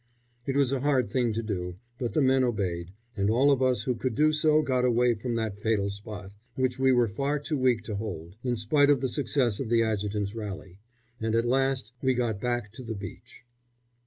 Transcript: It was a hard thing to do, but the men obeyed, and all of us who could do so got away from that fatal spot, which we were far too weak to hold, in spite of the success of the adjutant's rally, and at last we got back to the beach.